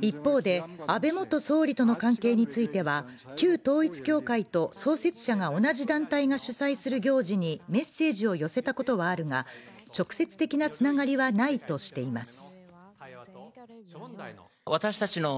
一方で、安倍元総理との関係については旧統一教会と創設者が同じ団体が主催する行事にメッセージを寄せたことはあるが直接的なつながりはないとしています。